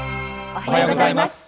おはようございます。